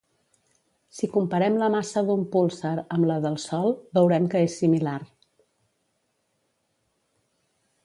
Si comparem la massa d'un púlsar amb la del Sol, veurem que és similar.